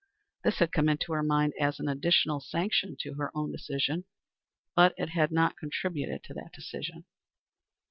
This had come into her mind as an additional sanction to her own decision. But it had not contributed to that decision.